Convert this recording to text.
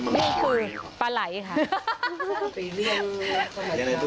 นี่คือปลาไหล่ค่ะ